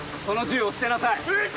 銃を捨てなさい！